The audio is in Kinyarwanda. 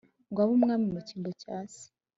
ngo abe umwami mu cyimbo cya se